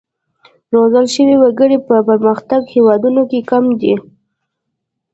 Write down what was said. روزل شوي وګړي په پرمختیايي هېوادونو کې کم دي.